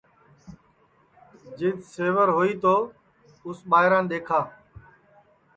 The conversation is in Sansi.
جِدؔ سیور ہوئی تو اُس ٻائران دؔیکھا کہ ٻوان سنٚسکاری ہے